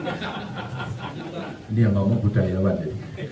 ini yang ngomong budayawan ya